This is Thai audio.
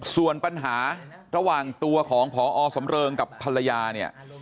ส่วนปัญหาระหว่างปกติตัวของพอเอาสำเริงกับพรรยานี่